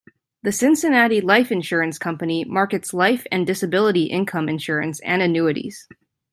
The Cincinnati Life Insurance Company markets life and disability income insurance and annuities.